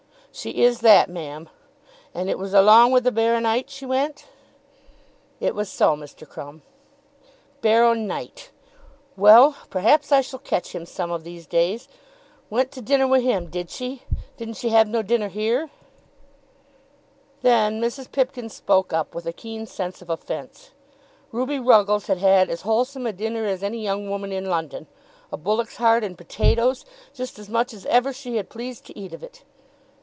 "She is that, ma'am. And it was along wi' the baro nite she went?" "It was so, Mr. Crumb." "Baro nite! Well; perhaps I shall catch him some of these days; went to dinner wi' him, did she? Didn't she have no dinner here?" Then Mrs. Pipkin spoke up with a keen sense of offence. Ruby Ruggles had had as wholesome a dinner as any young woman in London, a bullock's heart and potatoes, just as much as ever she had pleased to eat of it.